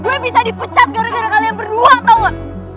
gue bisa dipecat gara gara kalian beruang tau gak